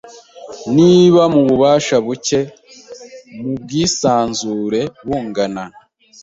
niba mububasha buke mu bwisanzure bungana